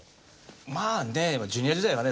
まあねえジュニア時代はね